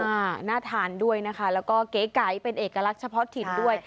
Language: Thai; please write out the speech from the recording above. น่าทานด้วยนะคะแล้วก็เก๋ไก๋เป็นเอกลักษณ์เฉพาะถิ่นด้วย